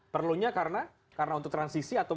perlunya karena untuk transisi atau